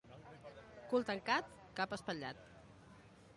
Cul tancat, cap espatllat.